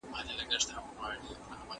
د خوړو مسمومیت د کبانو له غوښې هم کیږي.